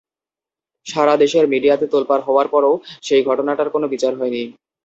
সারা দেশের মিডিয়াতে তোলপাড় হওয়ার পরও সেই ঘটনাটার কোনো বিচার হয়নি।